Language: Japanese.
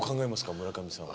村上さんは。